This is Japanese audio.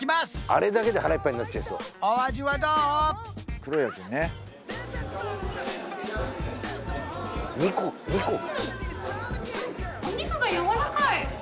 あれだけで腹いっぱいになっちゃいそう黒いやつにね２個２個